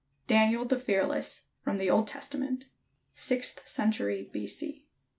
DANIEL THE FEARLESS FROM THE OLD TESTAMENT [Sixth century B.C.